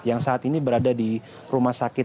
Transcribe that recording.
yang saat ini berada di rumah sakit